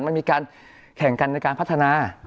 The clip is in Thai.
มันมีการแข่งกันในการพัฒนา